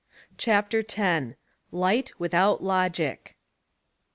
8 CHAPTER X, LIGHT WITHOUT LOGIC.